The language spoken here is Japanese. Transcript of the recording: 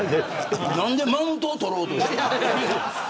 何でマウント取ろうとしてる。